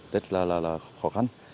rất là khó khăn